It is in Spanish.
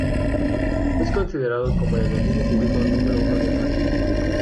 Es considerado como el enemigo público número uno de Malí.